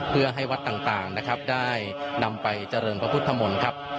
เพื่อให้วัดต่างนะครับได้นำไปเจริญพระพุทธมนตร์ครับ